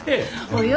およ。